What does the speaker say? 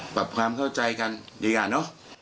ปรับความเข้าใจกันดีกว่าเนอะ